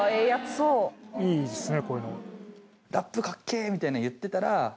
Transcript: そういいっすね